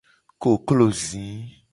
Koklo zi.